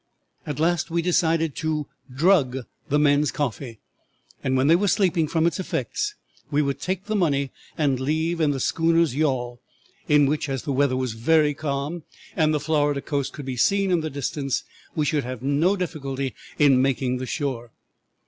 At last we decided to drug the men's coffee, and when they were sleeping from its effects, we would take the money and leave in the schooner's yawl, in which, as the weather was very calm and the Florida coast could be seen in the distance, we should have no difficulty in making the shore.